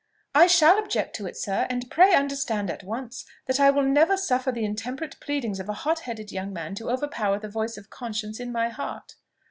"I shall object to it, sir: and pray understand at once, that I will never suffer the intemperate pleadings of a hot headed young man to overpower the voice of conscience in my heart."